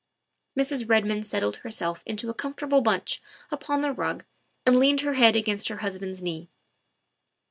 Mrs. Redmond settled herself into a comfortable bunch upon the rug and leaned her head against her husband's knee.